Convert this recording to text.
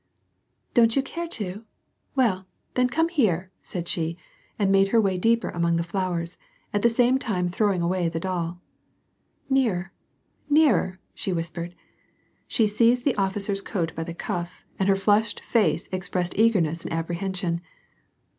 " Don't you care to ? Well, then come here," said she, and made her way deeper among the flowers, at the same time throwing away the doll. "Nearer, nearer," she whispered. She seized the oflicer's coat by the cuff, and her flushed face expressed eagerness and apprehension.